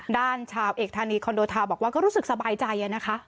ด้านชาวเอกธานีคอนโดทาวบอกว่าก็รู้สึกสบายใจนะคะ